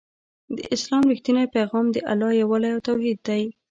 د اسلام رښتينی پيغام د الله يووالی او توحيد دی